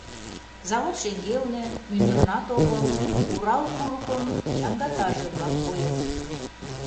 Завод шеҥгелне, мӱндырнат огыл, Урал курыкын чаҥгатаже-влак койыт.